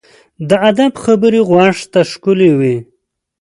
د ادب خبرې غوږ ته ښکلي وي.